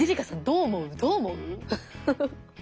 どう思う？